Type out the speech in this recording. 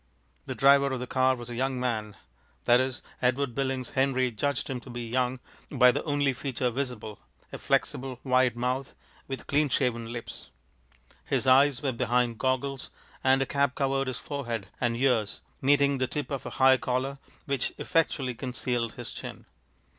The driver of the car was a young man. That is, Edward Billings Henry judged him to be young by the only feature visible, a flexible, wide mouth, with clean shaven lips. His eyes were behind goggles, and a cap covered his forehead and ears, meeting the tip of a high collar, which effectually concealed his chin.